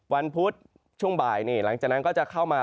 พุธช่วงบ่ายนี่หลังจากนั้นก็จะเข้ามา